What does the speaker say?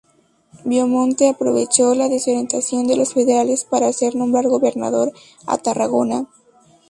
Viamonte aprovechó la desorientación de los federales para hacer nombrar gobernador a Tarragona.